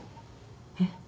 えっ？